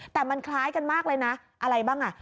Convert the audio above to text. แต่มันคล้ายกันมากเลยนะอะไรบ้างอ่ะ